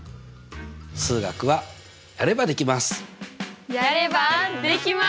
数学はやればできます！